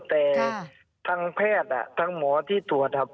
แต่ทางแพทย์ทางหมอที่ตรวจครับ